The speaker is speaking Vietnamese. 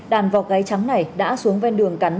đàn vọc gáy trắng này đã xuống ven đường cắn